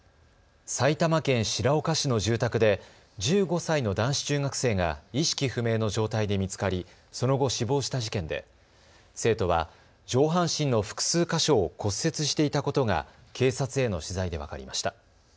埼玉県白岡市の住宅で１５歳の男子中学生が意識不明の状態で見つかり、その後死亡した事件で生徒は上半身の複数箇所を骨折していたことが警察への取材で分かりました。